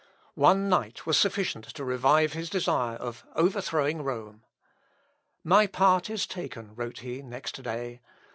One night was sufficient to revive his desire of overthrowing Rome. "My part is taken," wrote he next day.